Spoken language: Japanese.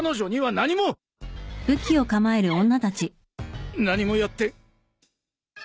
何もやってない。